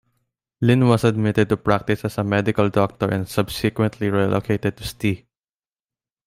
Linn was admitted to practice as a medical doctor and subsequently relocated to Ste.